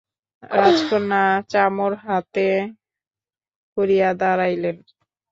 রাজকন্যা চামর হাতে করিয়া দাঁড়াইলেন।